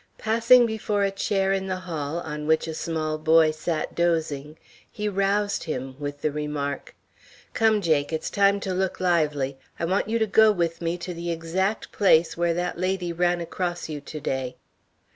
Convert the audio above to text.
Passing before a chair in the hall on which a small boy sat dozing, he roused him with the remark: "Come, Jake, it's time to look lively. I want you to go with me to the exact place where that lady ran across you to day."